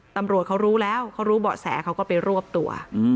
ตำรวจเขารู้แล้วเขารู้เบาะแสเขาก็ไปรวบตัว